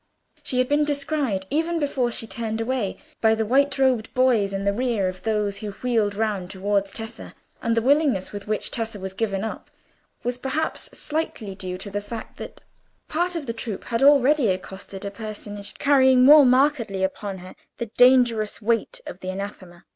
She had been descried, even before she turned away, by the white robed boys in the rear of those who wheeled round towards Tessa, and the willingness with which Tessa was given up was, perhaps, slightly due to the fact that part of the troop had already accosted a personage carrying more markedly upon her the dangerous weight of the Anathema.